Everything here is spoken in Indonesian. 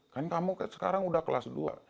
kan kamu sekarang udah kelas dua